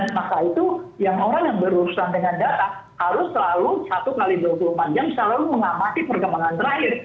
dan maka itu yang orang yang berurusan dengan data harus selalu satu x dua puluh empat jam selalu mengamati perkembangan terakhir